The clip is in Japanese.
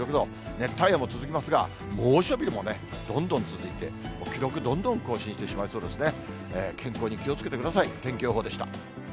熱帯夜も続きますが、猛暑日もどんどん続いて、記録どんどん更新してしまいそうですね。